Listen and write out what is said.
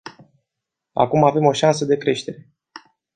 Acum avem o șansă de creștere.